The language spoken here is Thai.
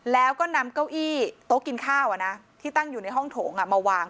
แล้วก็นำเก้าอี้โต๊ะกินข้าวที่ตั้งอยู่ในห้องโถงมาวาง